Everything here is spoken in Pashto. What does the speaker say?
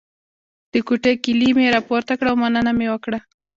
د کوټې کیلي مې راپورته کړه او مننه مې وکړه.